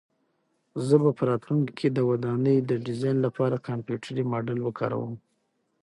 زه به په راتلونکي کې د ودانۍ د ډیزاین لپاره کمپیوټري ماډل وکاروم.